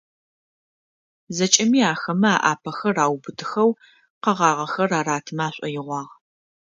ЗэкӀэми ахэмэ аӏапэхэр аубытыхэу, къэгъагъэхэр аратымэ ашӀоигъуагъ.